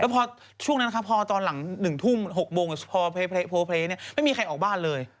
พอช่วงนั้นนะครับพอตอนหลัง๑ทุ่ม๖โมงพอโพลเพลย์ไม่มีใครออกบ้านเลย